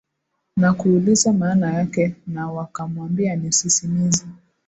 na kuuliza maana yake na wakamwambia ni sisimizi